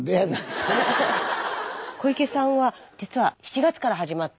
小池さんは実は７月から始まった。